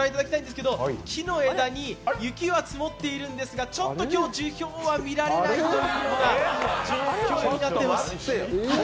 木の枝に雪は積もっているんですが、ちょっと今日、樹氷は見られないという気温になっています。